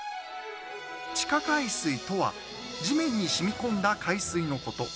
地下海水とは地面にしみこんだ海水のこと。